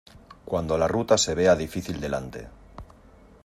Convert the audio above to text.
Cuando la ruta se vea difícil delante.